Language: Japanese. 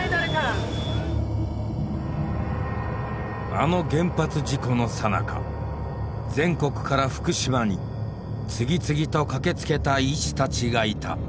あの原発事故のさなか全国から福島に次々と駆けつけた医師たちがいた。